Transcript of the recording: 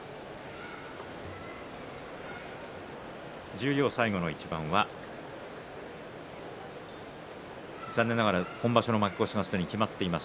十両最後の一番は残念ながら今場所の負け越しがすでに決まっています